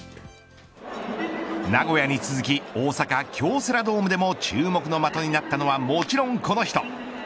名古屋に続き大阪京セラドームでも注目の的になったのはもちろんこの人。